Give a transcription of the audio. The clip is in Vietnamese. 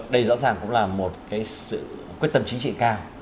đây rõ ràng cũng là một sự quyết tâm chính trị cao